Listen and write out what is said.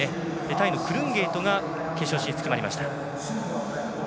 タイのクルンゲートが決勝進出、決まりました。